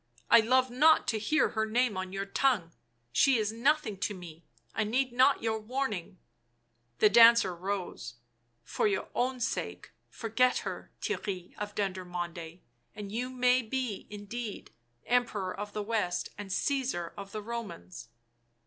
" I love not to hear her name on your tongue ; she is nothing to me ; I need not your warning. '' The dancer rose. "For your own sake forget her, Theirry of Dendermonde, and you may be indeed Emperor of the West and Csesar of the Romans."